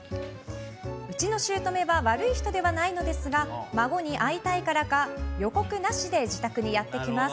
うちの姑は悪い人ではないのですが孫に会いたいからか予告なしで自宅にやってきます。